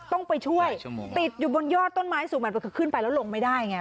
ต้องไปช่วยติดอยู่บนยอดต้นไม้สูงมันคือขึ้นไปแล้วลงไม่ได้ไง